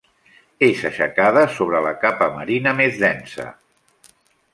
És aixecada sobre la capa marina més densa.